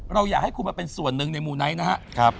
เราอยากให้คุณมาเป็นส่วนหนึ่งในมูไนท์นะครับ